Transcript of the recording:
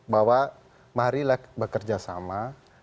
bahwa marilah bekerja sama